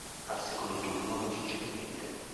Al secondo turno non succede niente.